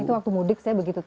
itu waktu mudik saya begitu